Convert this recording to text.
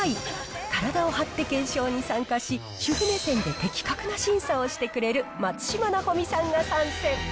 体を張って検証に参加し、主婦目線で的確な審査をしてくれる松嶋尚美さんが参戦。